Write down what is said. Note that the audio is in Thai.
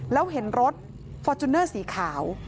แล้วเห็นรถฟอร์จูเนอร์สีขาว